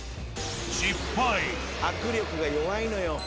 握力が弱いのよ。